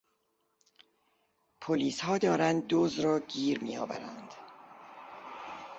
پلیسها دارند دزد را گیر میآورند.